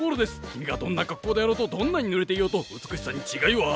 君がどんな格好であろうとどんなにぬれていようと美しさに違いはありませぬ。